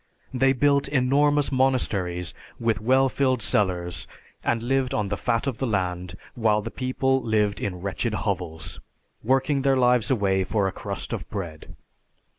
They built enormous monasteries with well filled cellars, and lived on the fat of the land, while the people lived in wretched hovels, working their lives away for a crust of bread.